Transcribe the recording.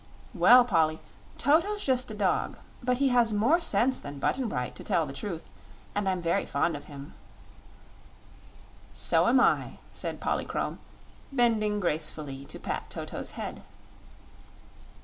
"Well, Polly, Toto's just a dog; but he has more sense than Button Bright, to tell the truth; and I'm very fond of him." "So am I," said Polychrome, bending gracefully to pat Toto's head.